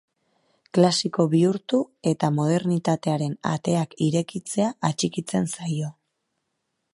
Klasiko bihurtu, eta modernitatearen ateak irekitzea atxikitzen zaio.